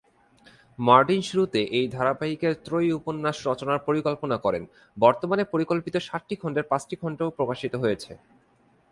Martin শুরুতে এই ধারাবাহিকের ত্রয়ী উপন্যাস রচনার পরিকল্পনা করেন, বর্তমানে পরিকল্পিত সাতটি খণ্ডের পাঁচটি খণ্ড প্রকাশিত হয়েছে।